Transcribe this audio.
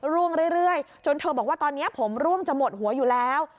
ร่วงเรื่อยจนเธอบอกว่าตอนนี้ผมร่วงจะหมดหัวอยู่แล้ว